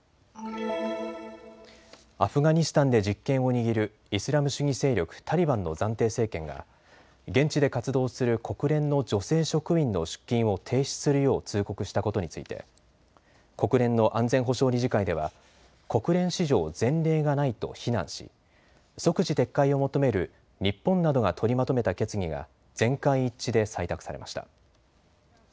アフガニスタンで実権を握るイスラム主義勢力、タリバンの暫定政権が現地で活動する国連の女性職員の出勤を停止するよう通告したことについて、国連の安全保障理事会では国連史上前例がないと非難し即時撤回を求める日本などが取りまとめた決議が全会一致で採択されました。